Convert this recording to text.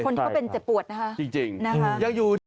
คนที่เขาเป็นเจ็บปวดนะคะ